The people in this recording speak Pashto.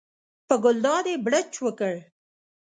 په ګلداد یې بړچ وکړ.